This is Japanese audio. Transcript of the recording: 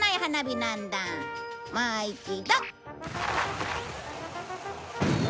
もう一度。